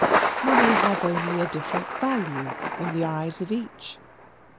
Money has only a different value in the eyes of each.